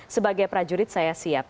sebagai prajurit saya siap